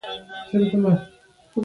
کیسه د تاریخ او افسانې ترکیب دی.